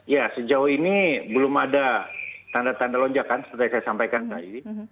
ya sejauh ini belum ada tanda tanda lonjakan seperti yang saya sampaikan tadi